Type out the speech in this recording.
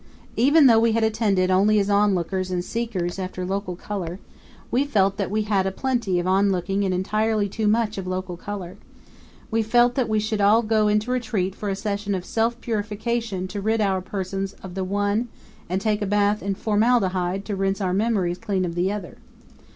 Even though we had attended only as onlookers and seekers after local color, we felt that we had a plenty of onlooking and entirely too much of local color; we felt that we should all go into retreat for a season of self purification to rid our persons of the one and take a bath in formaldehyde to rinse our memories clean of the other.